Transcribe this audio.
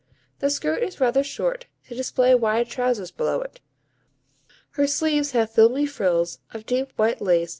The skirt is rather short, to display wide trousers below it. Her sleeves have filmy frills of deep white lace executed with skill.